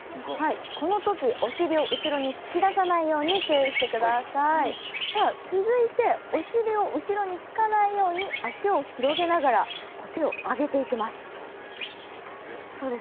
このときお尻を後ろに突き出さないように注意してくださいさあ続いてお尻を後ろに引かないように脚を広げながら手を上げていきますそうです